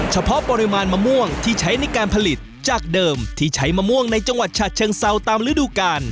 เฉพาะปริมาณมะม่วงที่ใช้ในการผลิตจากเดิมที่ใช้มะม่วงในจังหวัดฉะเชิงเซาตามฤดูกาล